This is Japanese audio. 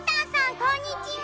こんにちは。